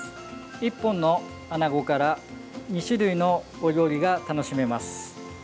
１本のアナゴから２種類のお料理が楽しめます。